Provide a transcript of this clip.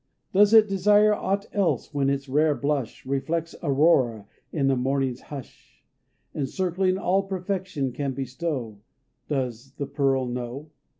Does it desire aught else when its rare blush Reflects Aurora in the morning's hush, Encircling all perfection can bestow Does the pearl know?